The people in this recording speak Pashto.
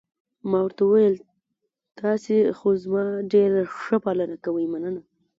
ما ورته وویل: تاسي خو زما ډېره ښه پالنه کوئ، مننه.